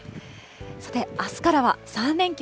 さて、あすからは３連休。